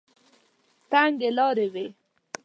تنګې لارې وې.